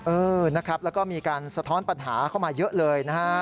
เออนะครับแล้วก็มีการสะท้อนปัญหาเข้ามาเยอะเลยนะฮะ